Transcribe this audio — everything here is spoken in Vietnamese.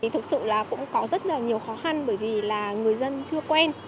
thực sự là cũng có rất là nhiều khó khăn bởi vì là người dân chưa quen